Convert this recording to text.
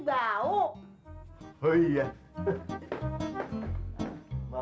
buang ke depan nanti bau